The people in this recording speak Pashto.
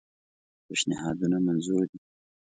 پېشنهادونه منظور دي.